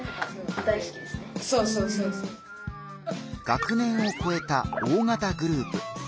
学年をこえた大型グループ。